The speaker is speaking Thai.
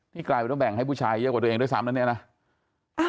นี่กลายเป็นว่าแบ่งให้ผู้ชายเยอะกว่าตัวเองด้วยซ้ำนะเนี่ยนะ